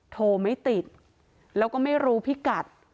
โทรไม่ติดแล้วก็ไม่รู้พิกัด